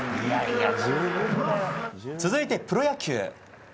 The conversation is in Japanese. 続いて、プロ野球。